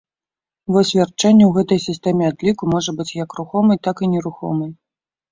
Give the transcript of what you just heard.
Вось вярчэння ў гэтай сістэме адліку можа быць як рухомай, так і нерухомай.